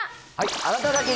あなただけに！